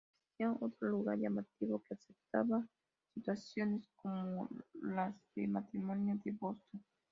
Existía otro lugar llamativo que aceptaba situaciones como las de los matrimonios de Boston.